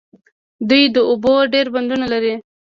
دوی د اوبو ډیر بندونه لري.